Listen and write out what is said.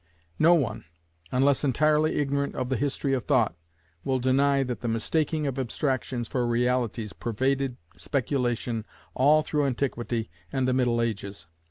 No one, unless entirely ignorant of the history of thought, will deny that the mistaking of abstractions for realities pervaded speculation all through antiquity and the middle ages.